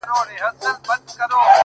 ځمه زه ليكمه يو نوم نن د ښكلا پر پاڼه.!